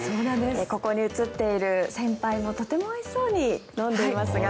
ここに写っている先輩もとてもおいしそうに飲んでいますが。